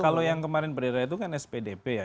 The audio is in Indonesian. kalau yang kemarin beredar itu kan spdp ya